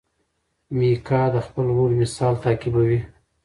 میکا د خپل ورور مثال تعقیبوي.